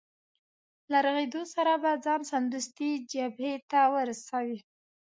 له رغېدو سره به ځان سمدستي جبهې ته ورسوې.